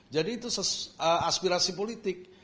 jadi itu aspirasi politik